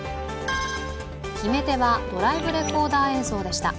決め手はドライブレコーダー映像でした。